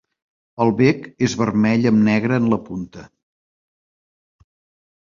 El bec és vermell amb negre en la punta.